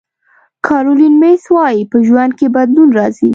کارولین میس وایي په ژوند کې بدلون راځي.